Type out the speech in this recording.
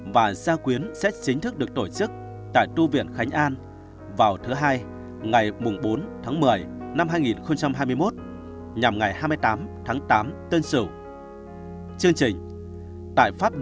và gia quyến xét chính thức được tổ chức tại tu viện khánh an vào thứ hai ngày bốn tháng một mươi năm hai nghìn hai mươi một